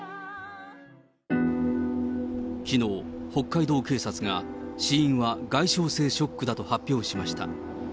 きのう、北海道警察が死因は外傷性ショックだと発表しました。